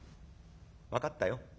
「分かったよ。